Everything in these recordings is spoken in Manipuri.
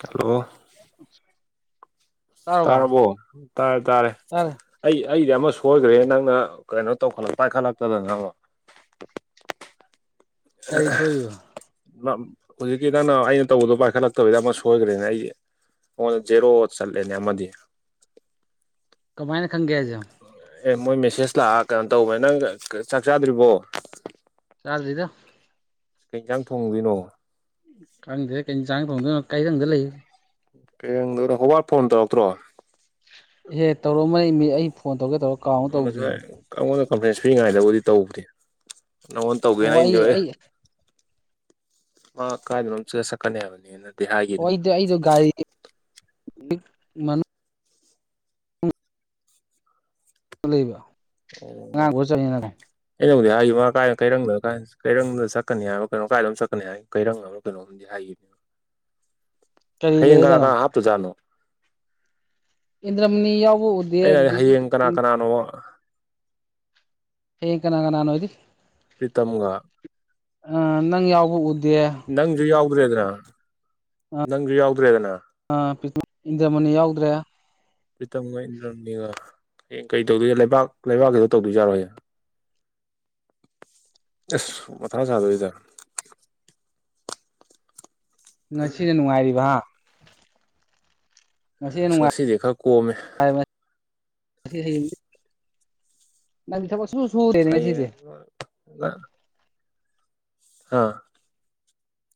ꯍꯜꯂꯣ [unintelligible] ꯇꯥꯔꯕꯣ ꯇꯥꯔꯦ ꯇꯥꯔꯦ ꯑꯩ ꯑꯩꯗꯤ ꯑꯃ ꯁꯣꯏꯈ꯭ꯔꯦ ꯅꯪꯅ ꯀꯩꯅꯣ ꯇꯧꯈꯠꯂꯛ ꯄꯥꯏꯈꯠꯂꯛꯇꯗꯅ ꯅꯉꯣ ꯀꯔꯤ ꯁꯣꯏꯔꯤꯕ [unintelligible] ꯍꯧꯖꯤꯛꯀꯤ ꯅꯪꯅ ꯑꯩꯅ ꯇꯧꯕꯗꯣ ꯄꯥꯏꯈꯠꯂꯛꯇꯕꯒꯝ ꯑꯃ ꯁꯣꯏꯈ꯭ꯔꯦꯅꯦ ꯑꯩꯁꯦ ꯑꯣ ꯖꯦꯔꯣ ꯆꯠꯂꯦꯅꯦ ꯑꯃꯗꯤ ꯀꯃꯥꯏꯅ ꯈꯪꯒꯦ ꯍꯥꯏꯖꯦ ꯑꯦ ꯃꯣꯏ ꯃꯦꯁꯦꯖ ꯂꯥꯛꯑ ꯀꯩꯅꯣ ꯇꯧꯕꯅꯦ ꯅꯪ ꯆꯥꯛ ꯆꯥꯗ꯭ꯔꯤꯕꯣ ꯆꯥꯗꯔ꯭ꯤꯗ ꯀꯩ ꯏꯟꯁꯥꯡ ꯊꯣꯡꯗꯣꯏꯅꯣ ꯈꯪꯗꯦꯗ ꯀꯩ ꯏꯟꯆꯥꯡ ꯊꯣꯡꯗꯣꯏꯅꯤ ꯀꯩꯔꯪꯗ ꯂꯩ [unintelligible] ꯍꯋꯥꯠ ꯐꯣꯟ ꯇꯧꯔꯛꯇ꯭ꯔꯣ ꯏꯍꯦ ꯇꯧꯔꯛꯃ ꯑꯩ ꯃꯤ ꯑꯩ ꯐꯣꯟ ꯇꯧꯒꯦ ꯇꯧꯔꯒ [unintelligible] ꯑꯩꯉꯣꯟꯗ ꯀꯝꯐꯔ꯭ꯦꯟꯁ ꯄꯤꯔꯤꯉꯥꯏꯗꯕꯨꯗꯤ ꯇꯧꯗꯦ ꯅꯪꯉꯣꯟ ꯑꯣ ꯇꯧꯒꯦꯅ ꯑꯩ ꯏꯟꯖꯣ ꯑꯦ ꯑꯩ ꯃꯥ ꯀꯥꯏꯗꯅꯣꯃꯗ ꯆꯛꯀꯅꯤ ꯍꯥꯏꯕꯅꯤꯅ ꯑꯣ [unintelligible] ꯑꯩꯗꯣ ꯑꯩꯗꯣ ꯒꯥꯔꯤ [unintelligible] ꯂꯩꯕ ꯑꯉꯥꯡ [unintelligible] ꯄꯨꯔ ꯆꯠꯄꯅꯤꯅꯀꯣ ꯑꯩꯅꯕꯨꯗꯤ ꯍꯥꯏꯈꯤꯃꯦ ꯃꯥ ꯀꯥꯏꯗꯅꯣꯝ ꯀꯩꯔꯪꯗ ꯀꯩꯔꯪꯗ ꯆꯠꯀꯅꯤ ꯍꯥꯏꯕ ꯀꯩꯅꯣ ꯀꯥꯏꯗꯅꯣꯝ ꯆꯠꯀꯅꯤ ꯍꯥꯏ ꯀꯩꯔꯪ ꯑꯃ ꯀꯩꯅꯣ [unintelligible] ꯀꯔꯤ ꯍꯌꯦꯡ ꯀꯅ ꯂꯩꯔꯖꯥꯠꯅꯣ ꯀꯅ ꯍꯥꯞꯇꯨꯖꯥꯠꯅꯣ ꯏꯟꯗ꯭ꯔꯃꯅꯤ ꯌꯥꯎꯕ ꯎꯗꯦ ꯑꯩꯅ ꯑꯗꯨꯗꯒꯤ ꯍꯌꯦꯡ [unintelligible] [unintelligible] ꯍꯌꯦꯡ ꯀꯅꯥ ꯀꯅꯥꯅꯣꯗꯤ ꯄ꯭ꯔꯤꯇꯝꯒ ꯑ ꯅꯪ ꯌꯥꯎꯕ ꯎꯗꯦ ꯅꯪꯁꯨ ꯌꯥꯎꯗ꯭ꯔꯦꯗꯅ ꯅꯪꯁꯨ ꯌꯥꯎꯗ꯭ꯔꯦꯗꯅ ꯑꯥ ꯖꯔꯃꯅꯤ ꯌꯥꯎꯗ꯭ꯔꯦ ꯄ꯭ꯔꯤꯇꯝꯒ ꯏꯟꯗ꯭ꯔꯝꯅꯤꯒ ꯍꯌꯦꯡ ꯀꯩ ꯇꯧꯗꯣꯏ ꯂꯩꯕꯥꯛ ꯂꯩꯕꯥꯛꯀꯤꯗꯣ ꯇꯧꯗꯣꯏꯖꯥꯠꯂꯣ ꯍꯌꯦꯡ ꯑꯁ ꯃꯊꯥ ꯁꯥꯥꯗꯣꯔꯤꯗ ꯉꯁꯤꯅ ꯅꯨꯡꯉꯥꯏꯔꯤꯕ ꯍꯥ ꯉꯁꯤꯅ ꯑꯁ ꯉꯁꯤꯗꯤ ꯈꯔ ꯀꯣꯝꯃꯦ ꯅꯨꯡꯉꯥꯏ [unintelligible] ꯅꯪꯗꯤ ꯊꯕꯛ ꯁꯨꯡ ꯁꯨꯍꯧꯗꯦꯅꯦ ꯉꯁꯤꯗꯤ ꯍꯌꯦꯡ [unintelligible] ꯑꯥ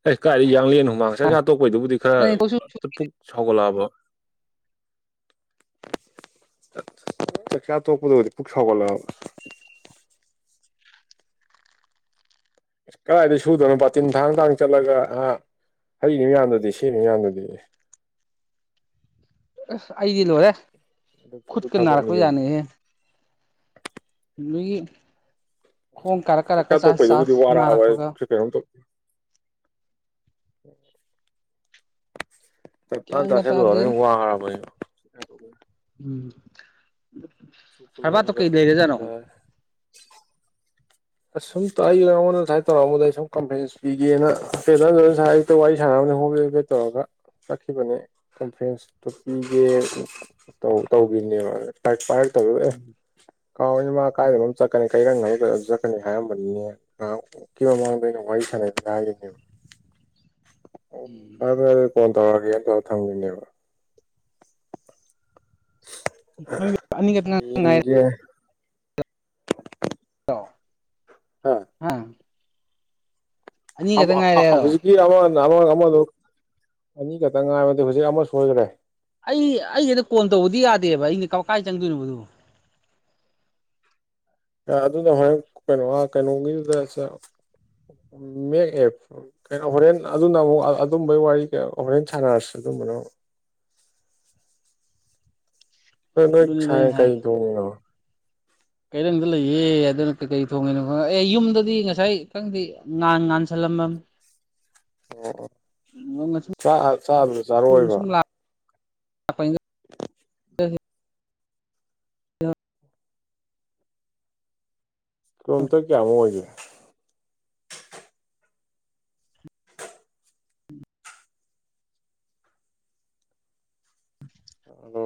ꯑꯦ ꯀꯥꯏꯗꯩꯩ ꯌꯥꯡꯂꯦꯟ ꯍꯨꯃꯥꯡ ꯆꯥꯛꯆꯥ ꯇꯣꯛꯄꯩꯗꯨꯕꯨꯗꯤ ꯈꯔ ꯅꯪꯗꯤ ꯊꯕꯛ ꯁꯨ ꯄꯨꯛ ꯁꯥꯎꯒꯠꯂꯛꯑꯕ ꯆꯛꯆ ꯇꯣꯛꯄꯗꯨꯒꯗꯤ ꯄꯨꯛ ꯁꯥꯎꯒꯠꯂꯛꯑꯥꯕ [inaudible] ꯀꯥꯢꯗꯩ ꯁꯨꯗꯕꯅꯣ ꯕꯥꯇꯤꯟ ꯊꯥꯡ ꯊꯥꯡ ꯆꯠꯂꯒ ꯍꯩꯔꯤ ꯃꯌꯥꯝꯗꯨꯗꯤ ꯁꯦꯝꯃꯤ ꯃꯌꯥꯝꯗꯨꯗꯤ ꯑꯁ ꯑꯩꯗꯤ ꯂꯣꯏꯔꯦ ꯑꯗꯨ ꯑꯗꯨ ꯈꯨꯨꯠꯀ ꯊꯕꯛꯅꯤ ꯅꯥꯔꯛꯄ ꯀꯩꯅꯣ ꯖꯥꯠꯅꯤꯍꯦ ꯃꯤꯒꯤ ꯈꯣꯡ ꯀꯥꯔꯛ ꯀꯥꯔꯛ ꯆꯥꯛꯆꯥ ꯀ ꯆꯥꯁ ꯇꯣꯛꯄꯩꯗꯨꯕꯨꯗꯤ ꯆꯥꯁ ꯋꯥꯔꯛꯑꯕ ꯅꯔꯛꯄꯒ [unintelligible] ꯇꯞ ꯇꯥꯥꯢ ꯒ꯭ꯌꯥꯟꯒ ꯇꯥꯗ꯭ꯔꯦꯗ ꯆꯥꯁꯤꯟꯂꯨꯔꯝꯅꯤꯅ ꯋꯥꯔꯕ ꯑꯩꯗꯣ ꯎꯝ ꯁꯨꯄꯔ ꯁꯔꯕꯥꯠꯇꯣ ꯄꯦꯟꯒꯥ ꯀꯩ ꯂꯩꯔꯖꯥꯠꯅꯣ ꯐꯖꯔꯦ ꯑꯁ ꯁꯨꯝ ꯇꯥꯛ ꯑꯩ ꯑꯩꯉꯣꯟꯗꯁꯥꯏ ꯇꯧꯔꯛꯝꯕꯗ ꯁꯨꯝ ꯀꯝꯄꯦꯟꯁ ꯄꯤꯒꯦꯅꯥ [unintelligible] ꯋꯥꯔꯤ ꯁꯅꯕꯅꯤ ꯍꯣꯕꯦ ꯍꯣꯕꯦ ꯇꯧꯔꯒ ꯆꯠꯈꯤꯕꯅꯦ ꯀꯟꯐ꯭ꯔꯦꯟꯁꯇꯨ ꯄꯤꯒꯦ ꯇꯧꯒꯤꯅꯦꯕ [unintelligible] ꯑꯦ ꯀꯥꯎꯏ ꯏꯃ ꯀꯥꯏꯗꯅꯣꯝ ꯆꯠꯀꯅꯤ ꯀꯩ [unintelligible] ꯍꯥꯏꯔꯝꯕꯅꯤꯅꯦ ꯉꯍꯥꯛ ꯃꯨꯛꯀꯤ ꯃꯃꯥꯡꯗ ꯑꯩꯅ ꯋꯥꯔꯤ ꯁꯥꯟꯅꯩꯗꯅ ꯍꯥꯏꯒꯤꯝꯅꯦꯕ ꯑꯣ ꯐꯥꯔꯦ ꯐꯥꯔꯦ ꯑꯗꯨꯗꯤ ꯀꯣꯟ ꯇꯧꯔꯒꯦ ꯇꯧꯔ ꯊꯝꯒꯤꯝꯅꯦꯕ ꯅꯪꯗꯤ ꯑꯅꯤ ꯈꯛꯇ [unintelligible] ꯉꯥꯢꯔꯦ ꯌꯦꯡꯒꯦ [unintelligible] ꯍꯥ ꯑꯅꯤꯈꯛꯇ [unintelligible] ꯉꯥꯏꯔꯦꯔꯣ ꯍꯧꯖꯤꯛ ꯑꯃ ꯑꯃ ꯑꯃꯗꯨ ꯑꯅꯤꯈꯛꯇꯪ ꯉꯥꯏꯕꯗ ꯍꯧꯖꯤꯛ ꯑꯃ ꯁꯣꯏꯈ꯭ꯔꯦ ꯑꯩ ꯑꯩ ꯀꯣꯟ ꯇꯧꯕꯗꯤ ꯌꯥꯗꯦꯕ ꯑꯩꯅ ꯀꯥꯏ ꯆꯪꯗꯣꯏꯅꯣꯕ ꯑꯗꯨꯕꯨ ꯑꯗꯨꯗ ꯍꯣꯔꯦꯟ ꯀꯩꯅꯣ ꯀꯩꯅꯣꯒꯤꯗꯨꯗ ꯃꯦꯛ ꯑꯦꯞ ꯀꯩꯅꯣ ꯍꯣꯔꯦꯟ ꯑꯗꯨꯅ ꯑꯃꯨꯛ ꯑꯗꯨꯝꯕꯩ ꯋꯥꯔꯤ ꯍꯣꯔꯦꯟ ꯁꯥꯟꯅꯔꯁꯤ ꯑꯗꯨꯝꯕꯅ ꯅꯣꯏ ꯑꯗꯨꯅꯤꯗ ꯑꯩꯅ ꯁꯥꯏꯅꯥ ꯍꯥꯏ ꯀꯥꯔꯤ ꯊꯣꯡꯉꯤꯅꯣ ꯀꯩꯔꯪꯗ ꯂꯩꯌꯦ ꯑꯗꯨꯅ ꯀꯩꯀꯩ ꯊꯣꯡꯉꯤꯅꯣ ꯈꯪ ꯑꯦ ꯌꯨꯝꯗꯗꯤ ꯉꯁꯥꯏ ꯈꯪꯗꯦ ꯉꯥꯟ ꯉꯥꯟꯁꯜꯂꯝꯃꯝꯅꯤ ꯑꯣ ꯆꯥꯛ ꯑꯥ ꯆꯥꯕꯗꯨ ꯁꯨꯝ ꯆꯥꯔꯛꯑꯣꯏꯕ ꯁꯨꯝ ꯂꯥꯛꯄꯅꯤꯗ ꯀꯤꯂꯣꯃꯤꯇꯔ ꯀꯌꯥꯃꯨꯛ ꯑꯣꯏꯒꯦ ꯑꯗꯣ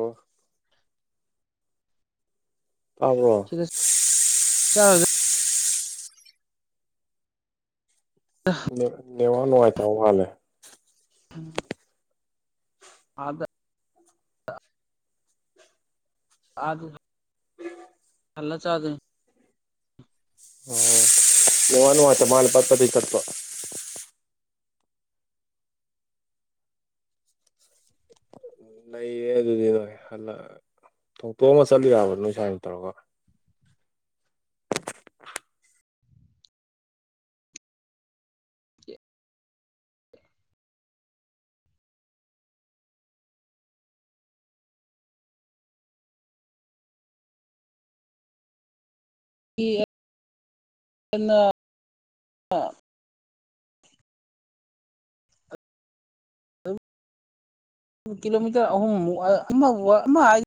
ꯇꯥꯕ꯭ꯔꯣ [unintelligible] ꯆꯔꯣꯢꯗ ꯅꯦꯠꯋꯥꯛ ꯅꯨꯡꯉꯥꯏꯇꯕ ꯃꯥꯂꯦ [unintelligible] ꯑꯥꯗ ꯑꯥꯗ ꯍꯜꯂ ꯆꯥꯗꯣꯢꯅꯤ ꯑꯣ ꯅꯦꯠꯋꯥꯛ ꯅꯨꯡꯉꯥꯢꯇ ꯃꯥꯜꯂꯦ ꯄꯠ ꯄꯠ ꯇꯠꯄ ꯂꯩꯌꯦ ꯑꯗꯨꯗꯤ ꯅꯣꯏ ꯍꯜꯂꯛ ꯊꯣꯡꯇꯣꯛ ꯑꯃ ꯆꯠꯂꯤꯕ ꯅꯣꯏ ꯁꯥꯏꯅ ꯇꯧꯔꯒ ꯆꯥꯗꯣꯏꯅꯤ [unintelligible] ꯀꯤꯂꯣꯃꯤꯇꯔ ꯑꯍꯨꯝ ꯃꯨꯛ ꯑꯃ [unintelligible]